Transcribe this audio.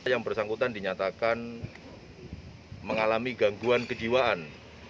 yang bersangkutan dinyatakan mengalami gangguan kejiwaan